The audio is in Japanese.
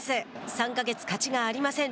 ３か月勝ちがありません。